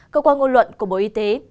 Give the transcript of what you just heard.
cơ quan ngôn luận của bộ y tế